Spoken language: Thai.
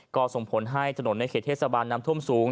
ก็ส่งผลให้ถนนในเขตเทศบาลน้ำท่วมสูง